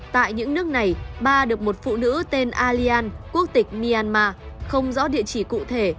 tại những nước này ba được một phụ nữ tên allian quốc tịch myanmar không rõ địa chỉ cụ thể